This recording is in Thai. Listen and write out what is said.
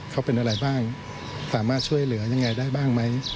เขาเป็นอะไรบ้างสามารถช่วยเหลือยังไงได้บ้างไหม